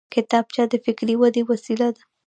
کتابچه د فکري ودې وسیله ده